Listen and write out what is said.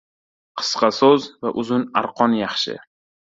• Qisqa so‘z va uzun arqon yaxshi.